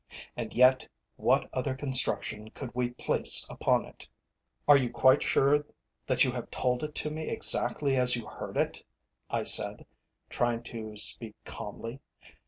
And yet, what other construction could we place upon it? "Are you quite sure that you have told it to me exactly as you heard it?" I said, trying to speak calmly.